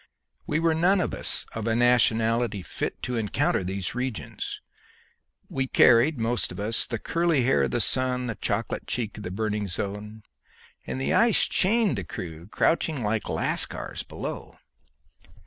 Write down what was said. We were none of us of a nationality fit to encounter these regions; we carried most of us the curly hair of the sun, the chocolate cheek of the burning zone, and the ice chained the crew, crouching like Lascars, below.